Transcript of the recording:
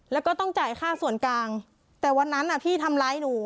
แล้วก็ต้องจ่ายค่าส่วนกลางแต่วันนั้นอ่ะพี่ทำร้ายหนู